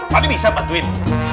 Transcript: pak deh bisa bantuin